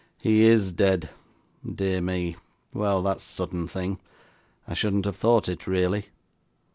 'He IS dead. Dear me! Well, that's sudden thing. I shouldn't have thought it, really.